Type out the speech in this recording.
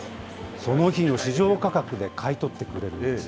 その日の市場価格で買い取ってくれるんです。